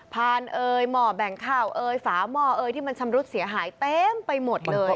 พานเอ่ยหม่อแบ่งข้าวเอ่ยฝาหม้อเอยที่มันชำรุดเสียหายเต็มไปหมดเลย